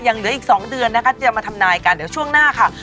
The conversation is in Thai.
เหลืออีก๒เดือนนะคะจะมาทำนายกันเดี๋ยวช่วงหน้าค่ะ